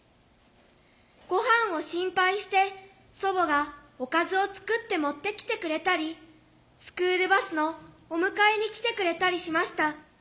ごはんを心配して祖母がおかずを作って持ってきてくれたりスクールバスのお迎えに来てくれたりしました。